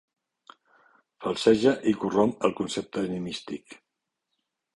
«falseja i corromp el concepte enigmístic».